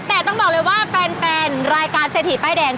แต่ต้องบอกเลยว่าแฟนรายการเศรษฐีป้ายแดง